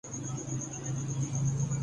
ارجن من را مپال